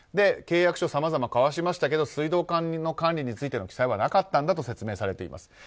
契約書、さまざま交わしましたが水道管の管理についての記載はなかったと説明されています。